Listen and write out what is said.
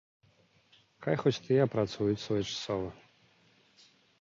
Хай хоць тыя апрацуюць своечасова.